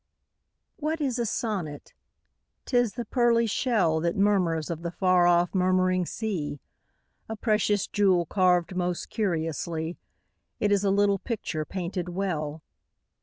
What is a sonnet ? T is the pearly shell That mormnrs of the f ar o£P murmuring sea ; A precious jewel carved most curiously ; It is a little picture painted well.